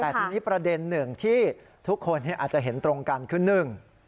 แต่ทีนี้ประเด็นหนึ่งที่ทุกคนอาจจะเห็นตรงกันคือหนึ่ง